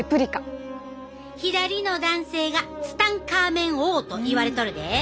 左の男性がツタンカーメン王といわれとるで。